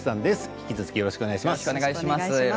引き続きよろしくお願いします。